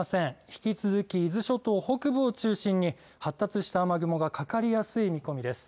引き続き、伊豆諸島北部を中心に発達した雨雲がかかりやすい見込みです。